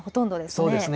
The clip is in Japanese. そうですね。